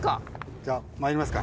じゃあ参りますか。